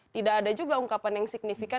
tidak ada juga ungkapan yang signifikan